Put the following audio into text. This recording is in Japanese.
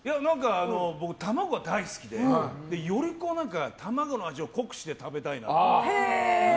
僕、卵が大好きでより卵の味を濃くして食べたいなと。